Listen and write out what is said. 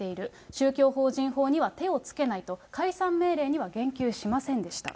宗教法人法には手をつけないと、解散命令には言及しませんでした。